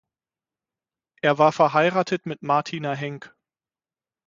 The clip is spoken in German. Er war verheiratet mit Martina Henk.